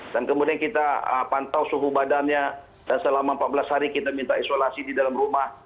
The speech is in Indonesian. dan kemudian kita pantau suhu badannya dan selama empat belas hari kita minta isolasi di dalam rumah